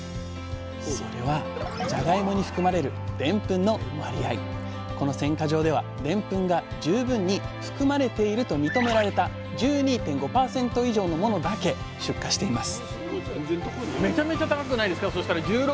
それはじゃがいもに含まれるこの選果場ではでんぷんが十分に含まれていると認められた１２．５％以上のものだけ出荷しています